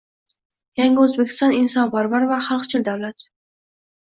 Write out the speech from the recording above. Yangi O'zbekiston insonparvar va xalqchil davlat.